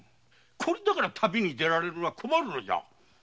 これだから旅に出られるのは困るのじゃ！